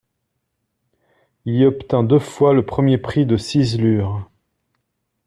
Il y obtint deux fois le premier prix de ciselure.